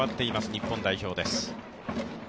日本代表です。